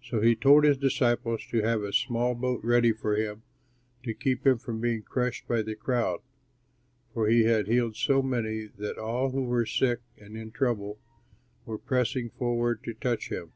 So he told his disciples to have a small boat ready for him to keep him from being crushed by the crowd; for he had healed so many that all who were sick and in trouble were pressing forward to touch him.